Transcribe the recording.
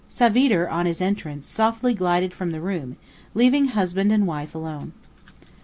Savitre, on his entrance, softly glided from the room, leaving husband and wife alone.